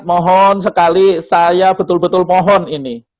mohon sekali saya betul betul mohon ini